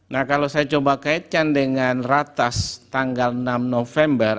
nah kalau saya coba kaitkan dengan ratas tanggal enam november